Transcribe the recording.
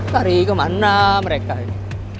tari kemana mereka ini